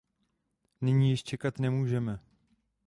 Nyní již čekat nemůžeme.